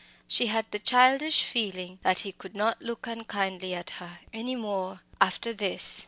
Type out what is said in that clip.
She had the childish feeling that he could not look unkindly at her anymore after this!